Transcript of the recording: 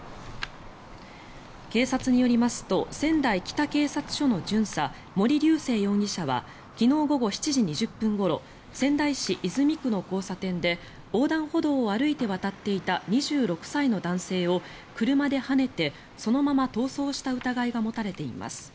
警察によりますと仙台北警察署の巡査森瑠世容疑者は昨日午後７時２０分ごろ仙台市泉区の交差点で横断歩道を歩いて渡っていた２６歳の男性を車ではねてそのまま逃走した疑いが持たれています。